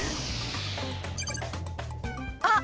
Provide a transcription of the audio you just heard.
あっ！